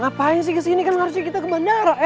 ngapain sih kesini kan harusnya kita ke bandara